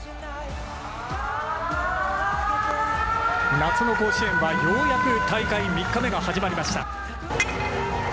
夏の甲子園はようやく大会３日目が始まりました。